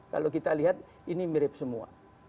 kalau kita lihat ini mirip semua